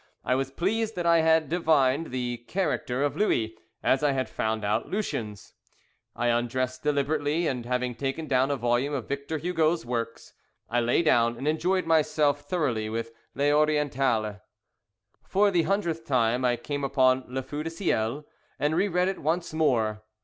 I was pleased that I had divined the character of Louis, as I had found out Lucien's. I undressed deliberately, and having taken down a volume of Victor Hugo's works, I lay down and enjoyed myself thoroughly with Les Orientales. For the hundredth time I came upon Le Feu du ciel, and re read it once more.